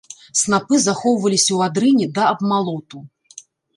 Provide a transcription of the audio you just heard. Снапы захоўваліся ў адрыне да абмалоту.